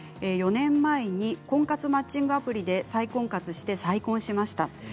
４年前に婚活マッチングアプリで再婚活して、再婚しました。